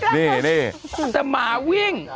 แต่หมาวิ่ง